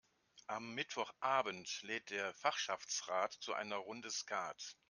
Am Mittwochabend lädt der Fachschaftsrat zu einer Runde Skat.